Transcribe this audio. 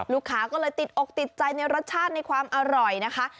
ลูกค้าก็เลยติดอกติดใจในรสชาติในความอร่อยนะคะ